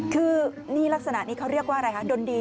คือนี่ลักษณะนี้เขาเรียกว่าอะไรคะดนดี